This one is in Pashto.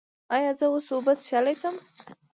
ایا زه اوس اوبه څښلی شم؟